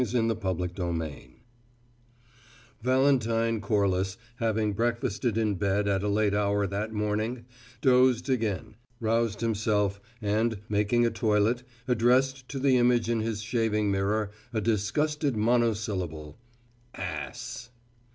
CHAPTER TWENTY Valentine Corliss, having breakfasted in bed at a late hour that morning, dozed again, roused himself, and, making a toilet, addressed to the image in his shaving mirror a disgusted monosyllable. "Ass!"